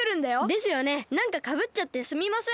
ですよねなんかかぶっちゃってすみません。